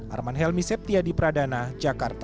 arman helmi septia di pradana jakarta